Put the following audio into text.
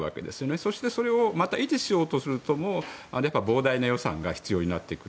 そして、それをまた維持しようとすると膨大な予算が必要になってくる。